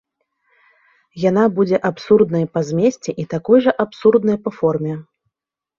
Яна будзе абсурднай па змесце і такой жа абсурднай па форме.